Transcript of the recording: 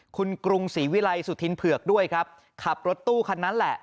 คุณกรุงศรีวิลัยสุธินเผือกด้วยครับขับรถตู้คันนั้นแหละ